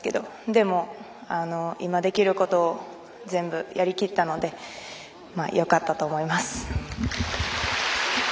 でも、今できることを全部やりきったのでよかったと思います。